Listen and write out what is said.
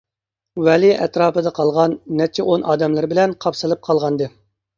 ۋەلى ئەتراپىدا قالغان نەچچە ئون ئادەملىرى بىلەن قاپسىلىپ قالغانىدى.